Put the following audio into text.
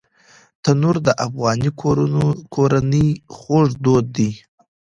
تنور د افغاني کورنۍ خوږ دود دی